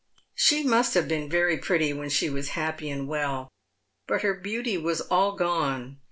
She must have been very pretty when she was happy and well, but her beauty was all gone.